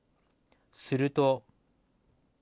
すると。